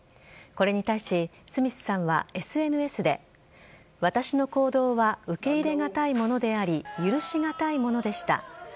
これに対しスミスさんは、ＳＮＳで、私の行動は受け入れ難いものであり、許し難いものでした。